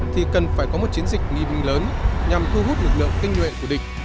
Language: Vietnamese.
thì cần phải có một chiến dịch nghi binh lớn nhằm thu hút lực lượng kinh nguyện của địch